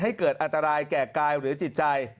ให้เกิดอันตรายแก่กายหรือจิตใจ